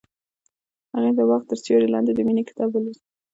هغې د باغ تر سیوري لاندې د مینې کتاب ولوست.